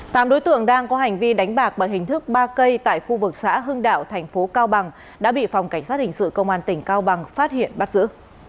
tám đối tượng đang có hành vi đánh bạc bằng hình thức ba cây tại khu vực xã hưng đạo thành phố cao bằng đã bị phòng cảnh sát hình sự công an tỉnh cao bằng phát hiện bắt giữ